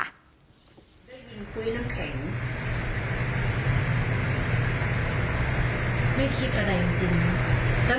ได้ยินคุยน้ำแข็ง